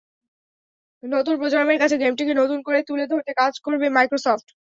নতুন প্রজন্মের কাছে গেমটিকে নতুন করে তুলে ধরতে কাজ করবে মাইক্রোসফট।